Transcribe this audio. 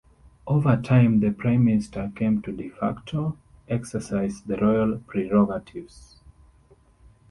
Over time, the Prime Minister came to "de facto" exercise the Royal prerogatives.